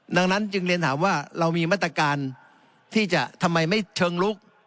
ดังนั้นจึงเรียนถามว่าเรามีมาตรการที่จะทำไมไม่เชิงลุก